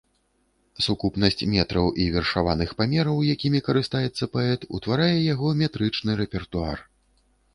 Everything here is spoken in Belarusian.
Сукупнасць метраў і вершаваных памераў, якімі карыстаецца паэт, утварае яго метрычны рэпертуар.